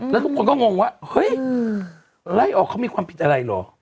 แล้วทุกคนก็งงว่าเฮ้ยไล่ออกเขามีความผิดอะไรเหรอ